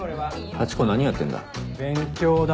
ハチ子何やってんだ？